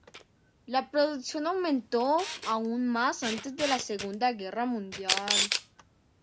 La producción aumentó aún más antes de la Segunda Guerra Mundial.